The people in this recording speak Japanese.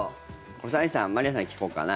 これ、まりあさんに聞こうかな。